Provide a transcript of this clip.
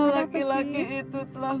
laki laki itu telah